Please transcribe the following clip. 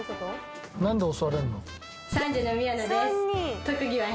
なんで襲われるの？